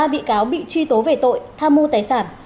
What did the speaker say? ba bị cáo bị truy tố về tội tham mô tài sản